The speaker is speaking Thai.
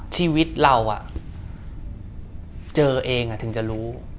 ชีวิตเราเจอเองถึงจะรู้